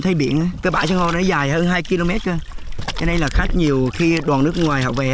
hồ này cái bãi san hô này dài hơn hai km thôi cái này là khách nhiều khi đoàn nước ngoài họ về